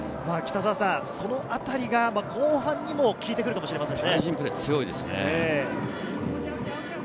そのあたりが後半にもきいてくるかもしれませんね。